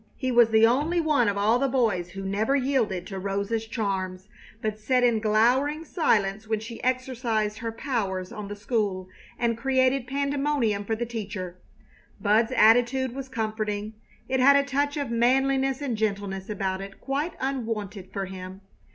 He was the only one of all the boys who never yielded to Rosa's charms, but sat in glowering silence when she exercised her powers on the school and created pandemonium for the teacher. Bud's attitude was comforting. It had a touch of manliness and gentleness about it quite unwonted for him.